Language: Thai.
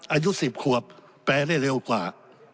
อายุ๑๐ขวบแปลได้เร็วกว่า